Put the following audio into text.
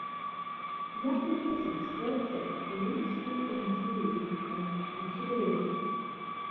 The application is then sent to the Ministry of Interior for consideration.